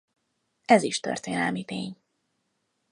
Ez is történelmi tény.